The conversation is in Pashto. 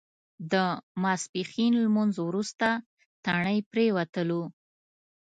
د ماسپښین لمونځ وروسته تڼۍ پرېوتلو.